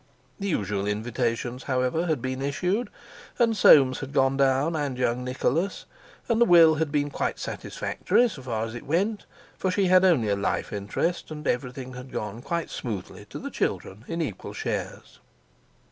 The usual invitations, however, had been issued, and Soames had gone down and young Nicholas, and the Will had been quite satisfactory so far as it went, for she had only had a life interest; and everything had gone quite smoothly to the children in equal shares.